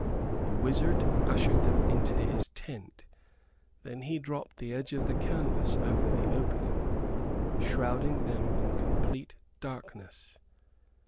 The wizard ushered them into his tent. Then he dropped the edge of the canvas over the opening, shrouding them in complete darkness.